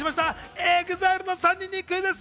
ＥＸＩＬＥの３人にクイズッス。